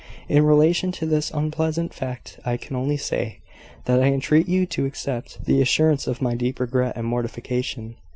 In relation to this unpleasant fact I can only say, that I entreat you to accept the assurance of my deep regret and mortification.